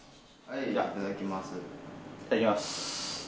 いただきます。